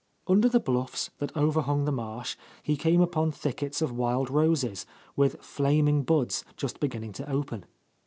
Under the bluffs that overhung the marsh he came upon thickets of wild roses, with flaming buds, just beginning to open.